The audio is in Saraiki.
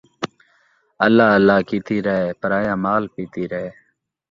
اللہ اللہ کیتی رہ، پرایا مال پیتی رہ